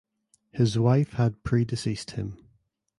His wife had predeceased him.